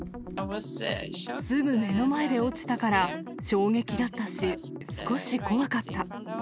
すぐ目の前で落ちたから、衝撃だったし、少し怖かった。